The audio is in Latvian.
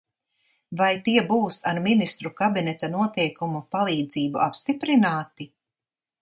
Vai tie būs ar Ministru kabineta noteikumu palīdzību apstiprināti?